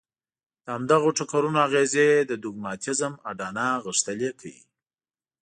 د همدغو ټکرونو اغېزې د دوګماتېزم اډانه غښتلې کوي.